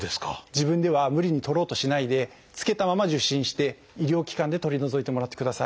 自分では無理に取ろうとしないで付けたまま受診して医療機関で取り除いてもらってください。